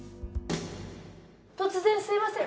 突然すみません。